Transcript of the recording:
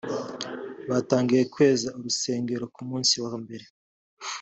batangiye kweza urusengero ku munsi wa mbere